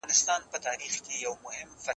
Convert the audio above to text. زه کولای سم سفر وکړم؟